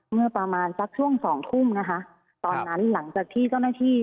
เมื่อประมาณสักช่วงสองทุ่มนะคะตอนนั้นหลังจากที่เจ้าหน้าที่